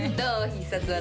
必殺技。